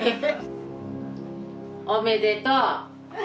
おめでとう。